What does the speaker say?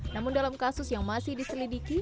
namun dalam kasus yang masih diselidiki